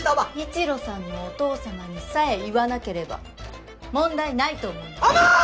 一路さんのお父さまにさえ言わなければ問題ないと思います。